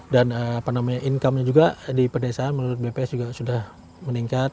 dan apa namanya income juga di pedesaan menurut bps juga sudah meningkat